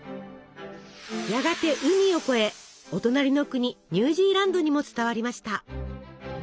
やがて海を越えお隣の国ニュージーランドにも伝わりました。